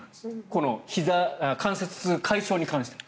この関節痛解消に関しては。